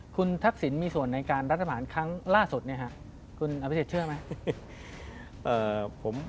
คุณทักษิณมีส่วนในการรัฐผ่านครั้งล่าสุดคุณอาพิเศษเชื่อไหม